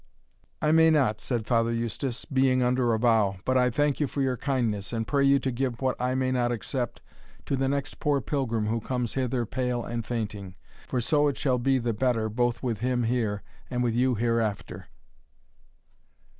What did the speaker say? "I may not," said Father Eustace, "being under a vow; but I thank you for your kindness, and pray you to give what I may not accept to the next poor pilgrim who comes hither pale and fainting, for so it shall be the better both with him here, and with you hereafter."